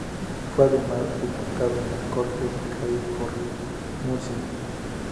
Fue además diputado en las Cortes de Cádiz por Murcia.